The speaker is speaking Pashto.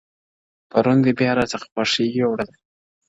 پرون دي بيا راڅه خوښي يووړله؛